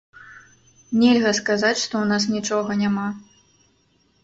Нельга сказаць, што ў нас нічога няма.